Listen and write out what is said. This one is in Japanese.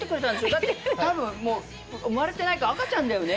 だって多分生まれてないか赤ちゃんだよね？